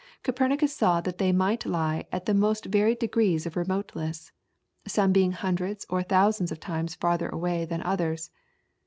Copernicus saw that they might lie at the most varied degrees of remoteness, some being hundreds or thousands of times farther away than others.